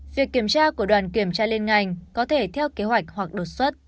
việc kiểm tra của đoàn kiểm tra liên ngành có thể theo kế hoạch hoặc đột xuất